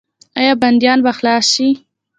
آیا بندیان به خلاص شي؟